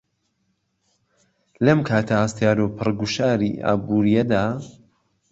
لهم كاته ههستیار و پڕ گوشاری ئابوورییه دا